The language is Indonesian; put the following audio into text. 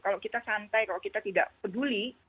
kalau kita santai kalau kita tidak peduli